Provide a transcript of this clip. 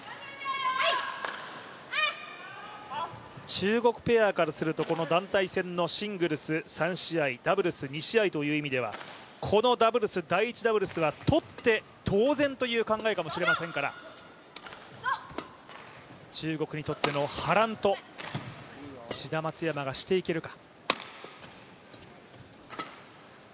中国ペアからすると団体戦のシングルス３試合、ダブルス２試合という意味では、この第１ダブルスは取って当然という考えかもしれませんから、中国にとっての波乱と、志田・松山がしていけるか。